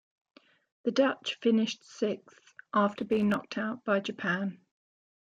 The Dutch finished sixth after being knocked out by Japan.